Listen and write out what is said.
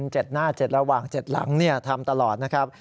เจ็ดหน้าเจ็ดระหว่างเจ็ดหลังเนี่ยทำตลอดนะครับ